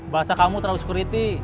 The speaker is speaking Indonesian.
bahasa kamu terlalu sekuriti